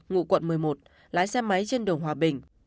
ngụ quận một mươi một lái xe máy trên đường hòa bình